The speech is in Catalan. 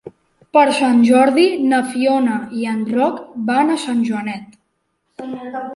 Per Sant Jordi na Fiona i en Roc van a Sant Joanet.